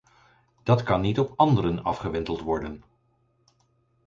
Dat kan niet op anderen afgewenteld worden.